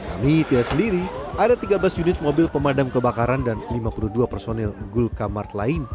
ini dia sendiri ada tiga belas unit mobil pemadam kebakaran dan lima puluh dua personil gul kamart lain